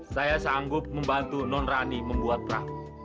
saya sanggup membantu non rani membuat prak